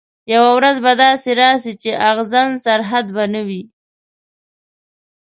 یوه ورځ به داسي راسي چي اغزن سرحد به نه وي